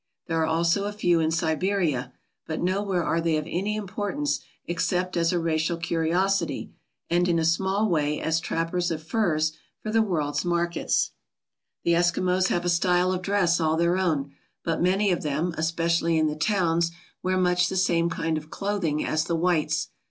There are also a few in Siberia, but nowhere are they of any importance except as a racial curiosity and in a small way as trappers of furs for the world's markets. The Eskimos have a style of dress all their own, but many of them, especially in the towns, wear much the 214 AMONG THE ESKIMOS same kind of clothing as the whites.